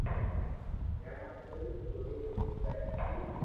جڻي او ڪوئي ڪوئي ڪري ھي